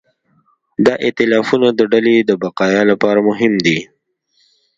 دا ایتلافونه د ډلې د بقا لپاره مهم دي.